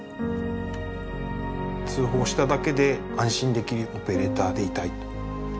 通報しただけで安心できるオペレーターでいたい。